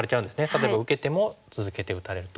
例えば受けても続けて打たれると。